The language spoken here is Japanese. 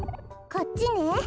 こっちね？